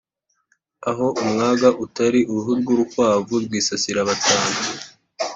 Aho umwaga utari uruhu rw’urukwavu rwisasira batanu.